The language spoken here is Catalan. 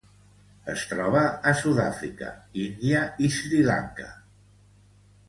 Es troba a Sud-àfrica, Índia i Sri Lanka.